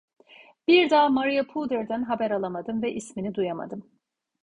Bir daha Maria Puder'den haber alamadım ve ismini duyamadım.